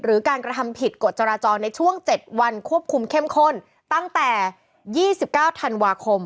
การกระทำผิดกฎจราจรในช่วง๗วันควบคุมเข้มข้นตั้งแต่๒๙ธันวาคม